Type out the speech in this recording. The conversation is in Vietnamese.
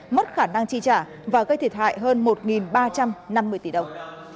mất khả năng chi trả và gây thiệt hại hơn một ba trăm năm mươi tỷ đồng